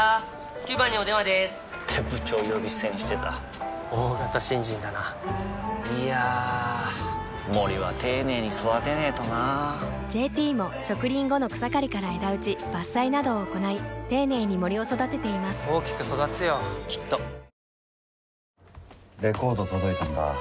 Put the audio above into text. ９番にお電話でーす！って部長呼び捨てにしてた大型新人だないやー森は丁寧に育てないとな「ＪＴ」も植林後の草刈りから枝打ち伐採などを行い丁寧に森を育てています大きく育つよきっとレコード届いたんだ